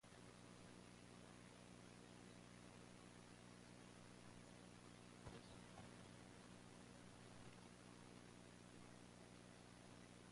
They lay eggs and the birthing process is accelerated by hormones released during battle.